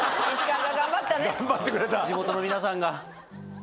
地元の皆さんが。